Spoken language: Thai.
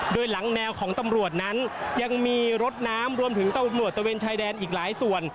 โดยหลังแนวของตำรวจนั้นยังมีรถน้ำรวมถึงตำรวจตะเวนชายแดนอีกหลายส่วน